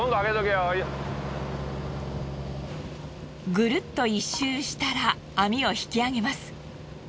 グルッと１周したら網を引き揚げます。